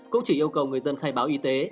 cũng chỉ yêu cầu người dân khai báo y tế